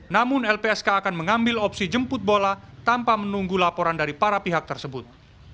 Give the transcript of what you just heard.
namun lpsk akan mengambil opsi jemput bola tanpa menunggu laporan dari para pihak tersebut